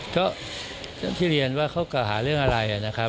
ก็อย่างที่เรียนว่าเขากล่าหาเรื่องอะไรนะครับ